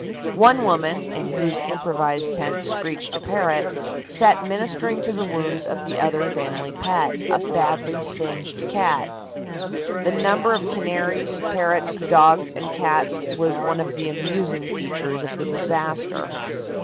One woman, in whose improvised tent screeched a parrot, sat ministering to the wounds of the other family pet, a badly singed cat. The number of canaries, parrots, dogs and cats was one of the amusing features of the disaster.